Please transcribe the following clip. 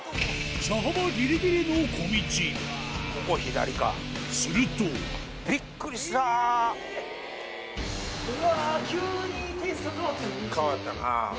車幅ギリギリの小道すると変わったな。